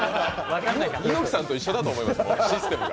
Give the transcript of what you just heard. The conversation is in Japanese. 猪木さんと一緒だと思います、システムが。